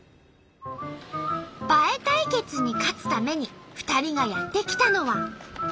映え対決に勝つために２人がやって来たのは。